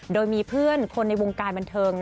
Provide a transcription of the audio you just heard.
โดยมีเพื่อนคนในวงการบันเทิง